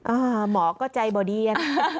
อ่าหมอก็ใจบอเดียน